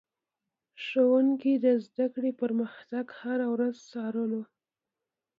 ښوونکي د زده کړې پرمختګ هره ورځ څارلو.